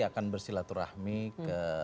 akan bersilaturahmi ke